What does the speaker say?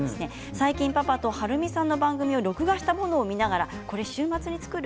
最近パパとはるみさんの番組を録画したものを見ながら週末に作る？